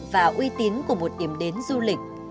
và uy tín của một điểm đến du lịch